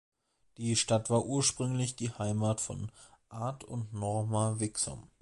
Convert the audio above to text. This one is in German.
Die Stadt war ursprünglich die Heimat von Art und Norma Wixom.